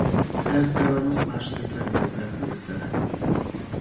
Ez Belarusz második legnagyobb repülőtere.